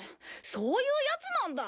そういうヤツなんだ。